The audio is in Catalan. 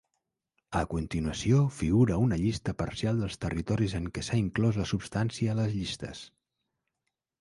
A continuació figura una llista parcial dels territoris en què s'ha inclòs la substància a les llistes.